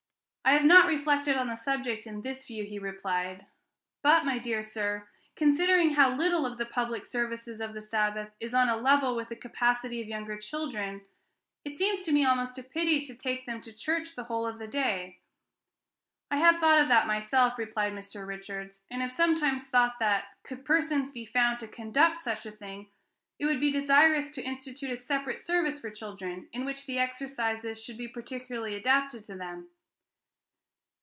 "I have not reflected on the subject in this view," he replied. "But, my dear sir, considering how little of the public services of the Sabbath is on a level with the capacity of younger children, it seems to me almost a pity to take them to church the whole of the day." "I have thought of that myself," replied Mr. Richards, "and have sometimes thought that, could persons be found to conduct such a thing, it would be desirable to institute a separate service for children, in which the exercises should be particularly adapted to them."